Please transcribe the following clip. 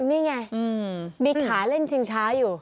นี่ไงมีขาเล่นชิงช้าอยู่